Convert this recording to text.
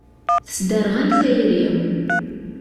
Tesderɣal tayri.